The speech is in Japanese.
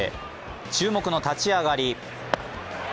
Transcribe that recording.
注目の立ち上がり。